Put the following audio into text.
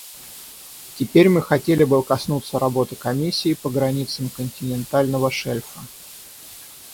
Теперь мы хотели бы коснуться работы Комиссии по границам континентального шельфа.